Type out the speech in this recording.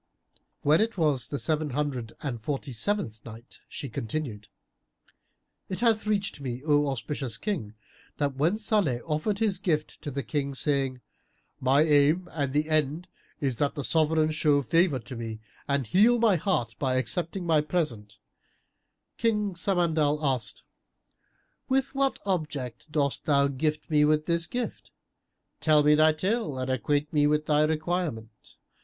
When it was the Seven Hundred and Forty seventh Night, She continued, It hath reached me, O auspicious King, that when Salih offered his gift to the King, saying, "My aim and end is that the Sovran show favour to me and heal my heart by accepting my present," King Al Samandal asked, "With what object dost thou gift me with this gift? Tell me thy tale and acquaint me with thy requirement.